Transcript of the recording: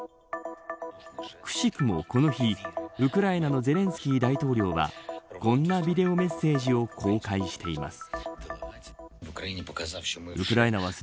くしくも、この日ウクライナのゼレンスキー大統領はこんなビデオメッセージを公開しています。